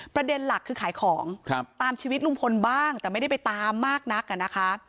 ประเด็นหลักคือขายของตามชีวิตลุงพลบ้างแต่ไม่ได้ไปตามมากนักอ่ะนะคะ